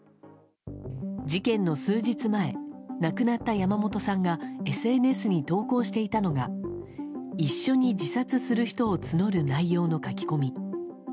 事件の数日前亡くなった山本さんがＳＮＳに投稿していたのが一緒に自殺する人を募る内容の書き込み。